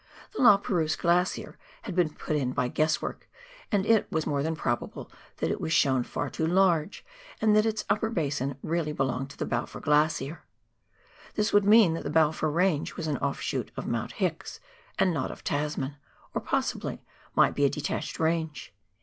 The La Perouse Glacier had been put in by guess work, and it was more than probable that it was shown far too large and that its upper basin really belonged to the Balfour Glacier. This would mean that the Balfour Range was an offshoot of Mount Hicks and not of Tasman, or possibly might be a detached range.